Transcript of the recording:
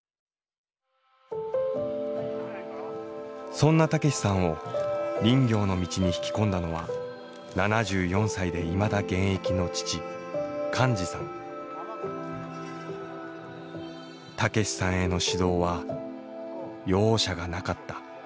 そんな武さんを林業の道に引き込んだのは７４歳でいまだ現役の武さんへの指導は容赦がなかった。